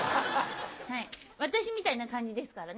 私みたいな感じですからね。